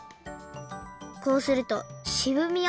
こうするとしぶみや